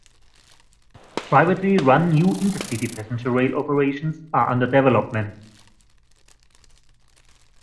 Privately run new inter-city passenger rail operations are under development.